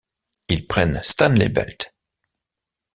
Ils prennent Stanley Belt.